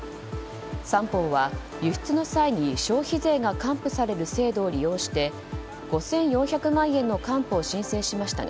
三方は輸出の際に、消費税が還付される制度を利用して５４００万円の還付を申請しましたが